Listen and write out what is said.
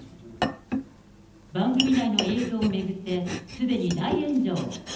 番組内の映像を巡って、すでに大炎上。